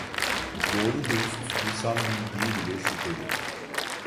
Doğru dürüst lisan bildiği bile şüpheli!